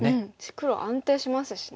黒安定しますしね。